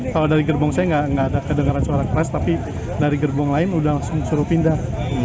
kalau dari gerbong saya nggak ada kedengaran suara keras tapi dari gerbong lain udah langsung suruh pindah